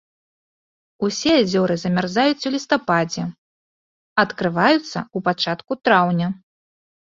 Усе азёры замярзаюць у лістападзе, адкрываюцца ў пачатку траўня.